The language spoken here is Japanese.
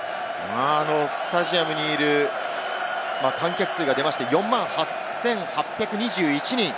スタジアムにいる観客数が出て、４万８８２１人。